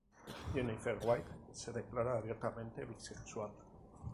Jennifer White se declara abiertamente bisexual.